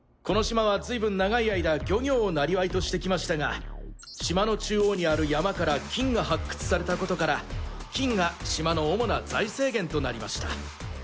この島はずいぶん長い間漁業を生業としてきましたが島の中央にある山から金が発掘されたことから金が島の主な財政源となりました。